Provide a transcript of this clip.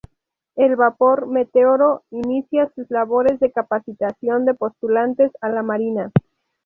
El vapor "Meteoro" inicia sus labores de capacitación de postulantes a la marina.